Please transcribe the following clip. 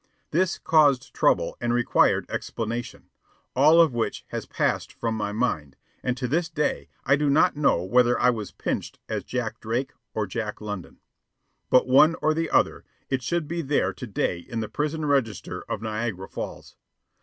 This caused trouble and required explanation, all of which has passed from my mind, and to this day I do not know whether I was pinched as Jack Drake or Jack London. But one or the other, it should be there to day in the prison register of Niagara Falls.